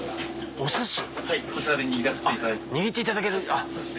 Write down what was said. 握っていただける。